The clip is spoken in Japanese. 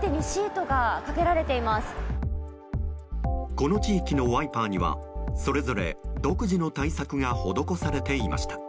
この地域のワイパーにはそれぞれ独自の対策が施されていました。